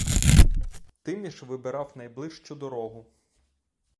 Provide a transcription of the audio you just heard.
Тиміш вибирав найближчу дорогу.